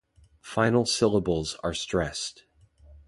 Final syllables are stressed.